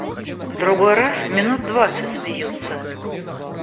Другой раз минут двадцать смеются.